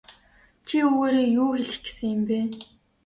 Чи үүгээрээ юу хэлэх гэсэн юм бэ?